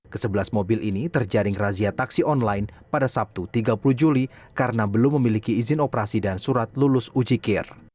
kesebelas mobil ini terjaring razia taksi online pada sabtu tiga puluh juli karena belum memiliki izin operasi dan surat lulus ujikir